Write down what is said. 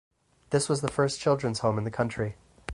This was the first Children's Home in the country.